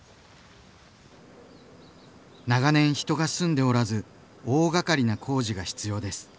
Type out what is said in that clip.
長年人が住んでおらず大がかりな工事が必要です。